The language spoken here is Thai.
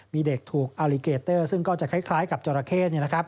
มีเด็กถูกอัลลิเกเตอร์ซึ่งก็จะคล้ายกับจราเข้